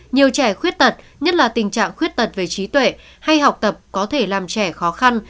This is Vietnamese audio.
nhiều trẻ khuyết tật nhất là tình trạng khuyết tật về trí tuệ hay học tập có thể làm trẻ khó khăn